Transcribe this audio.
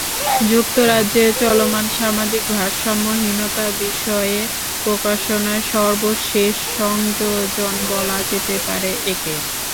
যুক্তরাজ্যে চলমান সামাজিক ভারসাম্যহীনতা বিষয়ে প্রকাশনায় সর্বশেষ সংযোজন বলা যেতে পারে একে।